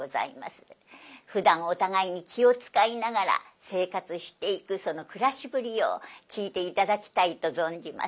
ふだんお互いに気を遣いながら生活していくその暮らしぶりを聴いて頂きたいと存じます。